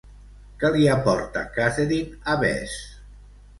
Què li aporta Catherine a Bess?